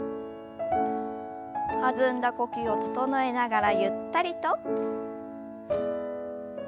弾んだ呼吸を整えながらゆったりと。